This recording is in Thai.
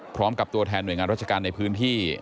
พร้อมกับตัวแทนหน่วยงานราชการในพื้นที่